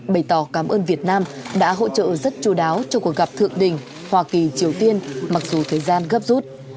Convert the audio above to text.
bày tỏ cảm ơn việt nam đã hỗ trợ rất chú đáo cho cuộc gặp thượng đỉnh hoa kỳ triều tiên mặc dù thời gian gấp rút